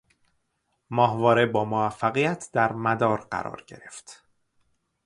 ماهواره با موفقیت در مدار قرار گرفت